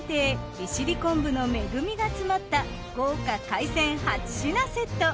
利尻昆布の恵みが詰まった豪華海鮮８品セット。